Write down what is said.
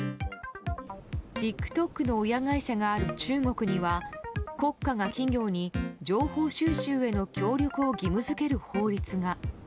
ＴｉｋＴｏｋの親会社がある中国には国家が企業に情報収集への協力を義務付ける法律が。